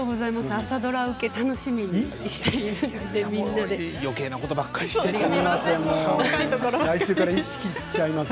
朝ドラ受けを楽しみにしています。